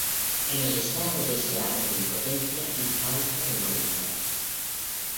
Es el estado deseado de impotencia y falta de voluntad.